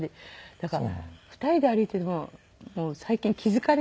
だから２人で歩いててももう最近気付かれないね